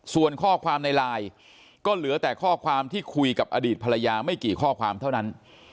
ส่วนข้อความในไลน์ก็เหลือแต่ข้อความที่คุยกับอดีตภรรยาไม่กี่ข้อความเท่านั้น